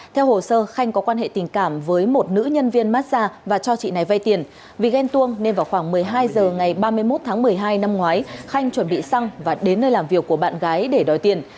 theo hồ sơ khanh có quan hệ tình cảm với một nữ nhân viên massage và cho chị này vay tiền vì ghen tuông nên vào khoảng một mươi hai h ngày ba mươi một tháng một mươi hai năm ngoái khanh chuẩn bị xăng và đến nơi làm việc của bạn gái để đòi tiền